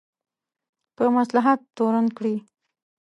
په مصلحت تورن کړي.